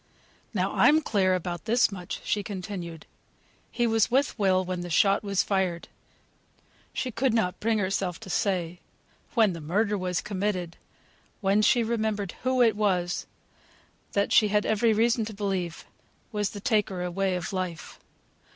"Now I'm clear about this much," she continued, "he was with Will when the shot was fired (she could not bring herself to say, when the murder was committed, when she remembered who it was that, she had every reason to believe, was the taker away of life).